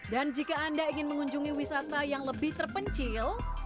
jika anda ingin mengunjungi wisata yang lebih terpencil